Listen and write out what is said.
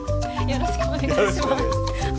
よろしくお願いします。